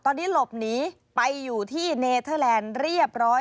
ตอนนี้หลบหนีไปอยู่ที่เนเทอร์แลนด์เรียบร้อย